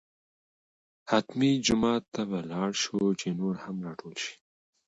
حتمي جومات ته به لاړ شو چې نور هم راټول شي.